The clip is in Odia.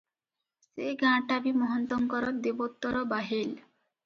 ସେ ଗାଁଟା ବି ମହନ୍ତଙ୍କର ଦେବୋତ୍ତର ବାହେଲ ।